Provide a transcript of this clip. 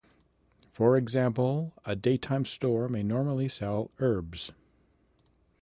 For example, a daytime store may normally sell herbs.